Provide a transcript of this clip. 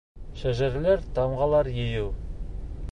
Шәжәрәләр, тамғалар йыйыу;